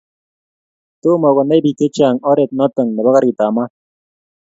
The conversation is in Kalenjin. tomo konai biik chechang oret noto nebo karit ab maat